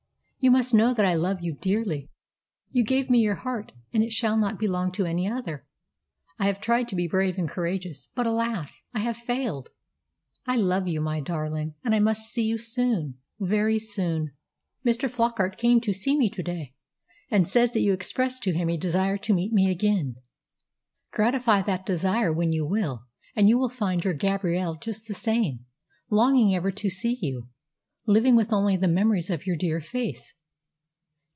You must know that I love you dearly. You gave me your heart, and it shall not belong to any other. I have tried to be brave and courageous; but, alas! I have failed. I love you, my darling, and I must see you soon very soon. "Mr. Flockart came to see me to day and says that you expressed to him a desire to meet me again. Gratify that desire when you will, and you will find your Gabrielle just the same longing ever to see you, living with only the memories of your dear face.